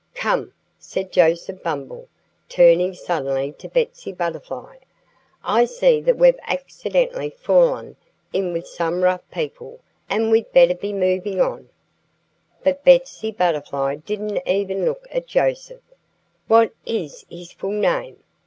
"Come!" said Joseph Bumble, turning suddenly to Betsy Butterfly. "I see that we've accidentally fallen in with some rough people; and we'd better be moving on." But Betsy Butterfly didn't even look at Joseph. "What is his full name?"